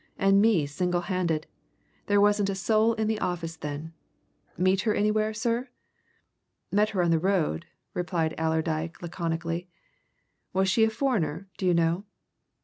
and me single handed there wasn't a soul in the office then. Meet her anywhere, sir?" "Met her on the road," replied Allerdyke laconically. "Was she a foreigner, do you know?"